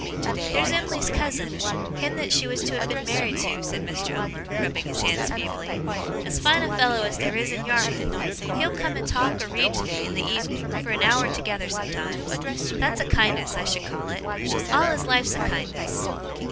'There's Em'ly's cousin, him that she was to have been married to,' said Mr. Omer, rubbing his hands feebly, 'as fine a fellow as there is in Yarmouth! He'll come and talk or read to me, in the evening, for an hour together sometimes. That's a kindness, I should call it! All his life's a kindness.